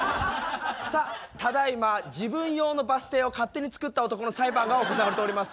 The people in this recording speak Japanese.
さあただいま自分用のバス停を勝手に作った男の裁判が行われております。